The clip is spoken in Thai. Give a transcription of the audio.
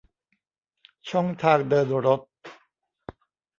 ช่องทางเดินรถ